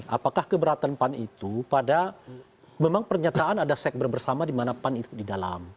apakah keberatan pan itu pada memang pernyataan ada sekber bersama di mana pan itu di dalam